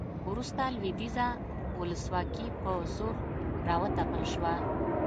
وروسته لویدیځه ولسواکي په زور راوتپل شوه